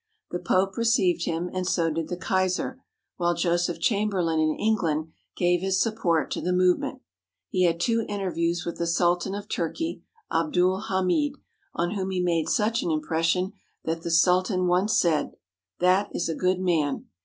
The Pope received him, and so did the Kaiser, while Joseph Chamberlain in England gave his support to the move ment. He had two interviews with the Sultan of Turkey, Abdul Hamid, on whom he made such an impression that the Sultan once said: "That is a good man.